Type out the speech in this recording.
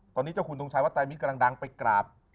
ตอนนี้เจ้าคุณทงชัยวัดไตรมิตรกำลังดังไปกราบ